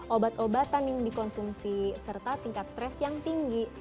obat obatan yang dikonsumsi serta tingkat stres yang tinggi